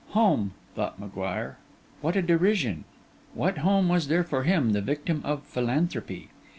'Home!' thought M'Guire, 'what a derision!' What home was there for him, the victim of philanthropy?